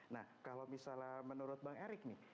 nah kalau misalnya menurut bang erik nih